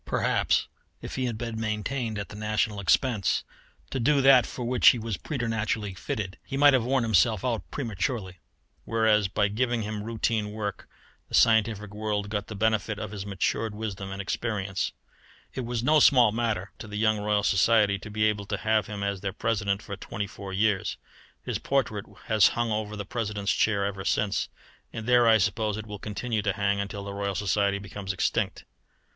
Perhaps if he had been maintained at the national expense to do that for which he was preternaturally fitted, he might have worn himself out prematurely; whereas by giving him routine work the scientific world got the benefit of his matured wisdom and experience. It was no small matter to the young Royal Society to be able to have him as their President for twenty four years. His portrait has hung over the President's chair ever since, and there I suppose it will continue to hang until the Royal Society becomes extinct.